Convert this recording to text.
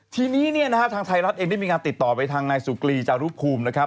ทีนี้เนี่ยนะฮะทางไทยรัฐเองได้มีการติดต่อไปทางนายสุกรีจารุภูมินะครับ